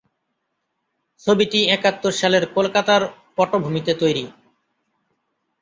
ছবিটি একাত্তর সালের কলকাতার পটভূমিতে তৈরি।